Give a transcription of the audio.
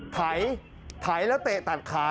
ไถแล้วเตะตัดขา